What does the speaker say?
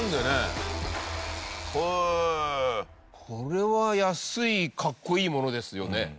これは安い格好いいものですよね。